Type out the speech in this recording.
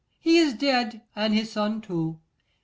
He is dead, and his son too.